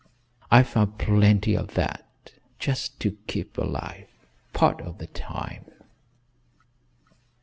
I've found plenty of that just to keep alive, part of the time.